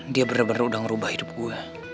dia bener bener udah ngerubah hidup gue